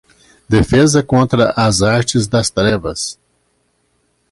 Defesa Contra as Artes das Trevas